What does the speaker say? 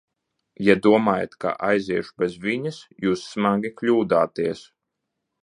Ja domājat, ka aiziešu bez viņas, jūs smagi kļūdāties!